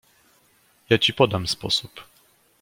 "ja ci podam sposób."